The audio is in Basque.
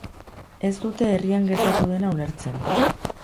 Ez dute herrian gertatu dena ulertzen.